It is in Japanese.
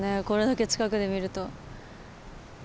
これだけ近くで見ると。